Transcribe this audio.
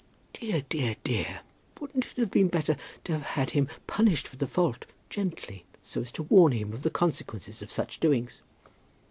"Dear, dear, dear! Wouldn't it have been better to have had him punished for the fault, gently; so as to warn him of the consequences of such doings?"